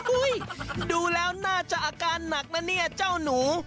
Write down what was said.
ดูแล้วน่าจะอาการหนักนะเนี่ยเจ้าหนู